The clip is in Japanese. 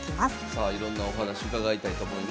さあいろんなお話伺いたいと思います。